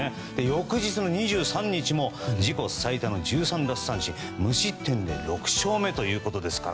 翌日の２３日も自己最多の１３奪三振無失点で６勝目。